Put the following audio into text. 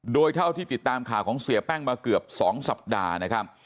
โดยเท่าที่ติดตามข่าวของเสียแป้งมาเกือบ๒สัปดาห์นะครับ